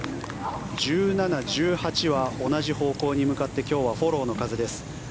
１７、１８は同じ方向に向かって今日はフォローの風です。